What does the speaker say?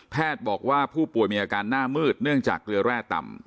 บอกว่าผู้ป่วยมีอาการหน้ามืดเนื่องจากเกลือแร่ต่ำ